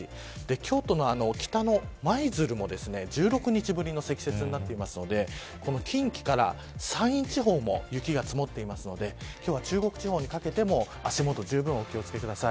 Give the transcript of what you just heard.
京都の北の舞鶴も１６日ぶりの積雪になっているので近畿から山陰地方も雪が積もっているので今日は中国地方にかけても、足元じゅうぶんお気を付けください。